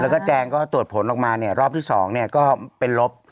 แล้วก็แจ๊กก็ตรวจผลลงมารอบที่สองก็เป็นลบ